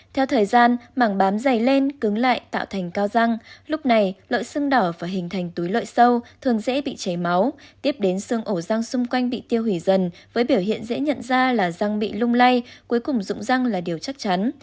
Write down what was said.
theo thời gian mảng bám dày lên cứng lại tạo thành cao răng lúc này lợn sưng đỏ và hình thành túi lợi sâu thường dễ bị cháy máu tiếp đến xương ổ răng xung quanh bị tiêu hủy dần với biểu hiện dễ nhận ra là răng bị lung lay cuối cùng dụng răng là điều chắc chắn